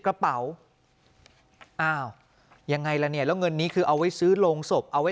กระเป๋าอ้าวยังไงล่ะเนี่ยแล้วเงินนี้คือเอาไว้ซื้อโรงศพเอาไว้